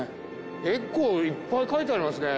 結構いっぱい書いてありますね